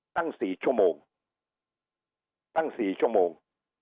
ตั้ง๔ชั่วโมงตั้ง๔ชั่วโมง